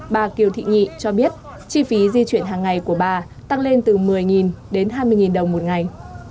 bà kiều thị nhị cho biết chi phí di chuyển hàng ngày của bà tăng lên từ một mươi đến hai mươi đồng một ngày